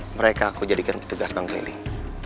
mereka aku jadikan petugas bank keliling